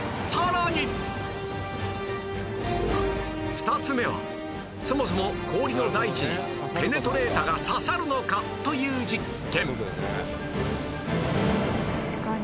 ２つ目はそもそも氷の大地にペネトレータが刺さるのかという実験